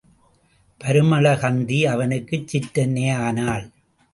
பரிமள கந்தி அவனுக்குச் சிற்றன்னை ஆனாள்.